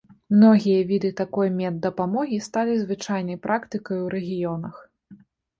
Многія віды такой меддапамогі сталі звычайнай практыкай у рэгіёнах.